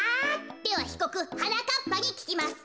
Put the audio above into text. ではひこくはなかっぱにききます。